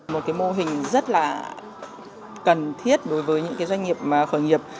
một cái mô hình rất là cần thiết đối với những doanh nghiệp khởi nghiệp